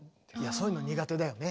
そういうの苦手だよね